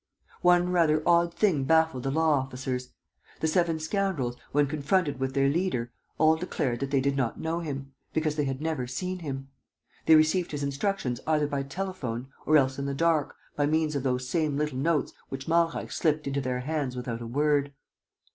One rather odd thing baffled the law officers. The seven scoundrels, when confronted with their leader, all declared that they did not know him, because they had never seen him. They received his instructions either by telephone, or else in the dark, by means of those same little notes which Malreich slipped into their hands without a word.